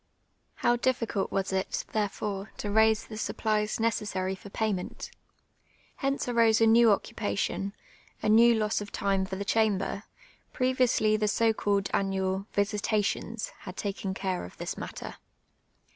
How difficult was it, therefore, to raise the supplies necessary for payment. Hence arose a new occupation, a new loss of time for the chamber ; previously the so called annual " visi tations" ' had taken care of this matter.